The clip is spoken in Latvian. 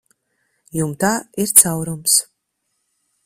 Jumtā ir caurums.